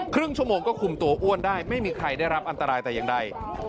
ครึ่งชั่วโมงก็คุมตัวอ้วนได้ไม่มีใครได้รับอันตรายแต่อย่างใด